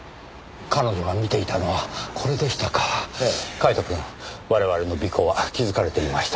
カイトくん我々の尾行は気づかれていました。